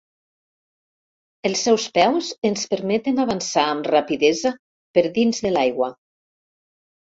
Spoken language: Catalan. Els seus peus ens permeten avançar amb rapidesa per dins de l'aigua.